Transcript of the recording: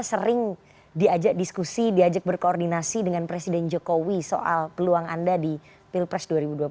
sering diajak diskusi diajak berkoordinasi dengan presiden jokowi soal peluang anda di pilpres dua ribu dua puluh empat